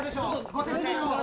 ご説明を。